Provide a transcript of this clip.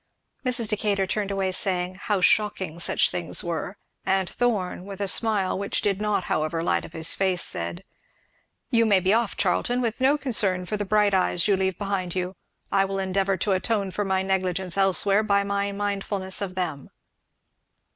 Mrs. Decatur turned away, saying "how shocking such things were;" and Thorn, with a smile which did not however light up his face, said, "You may be off, Charlton, with no concern for the bright eyes you leave behind you I will endeavour to atone for my negligence elsewhere, by my mindfulness of them."